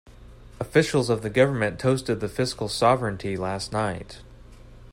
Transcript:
Officials of the government toasted the fiscal sovereignty last night.